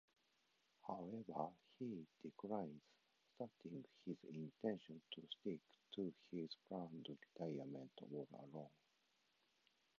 However, he declines, stating his intention to stick to his planned retirement all along.